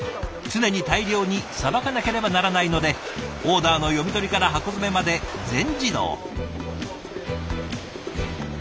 常に大量にさばかなければならないのでオーダーの読み取りから箱詰めまで全自動。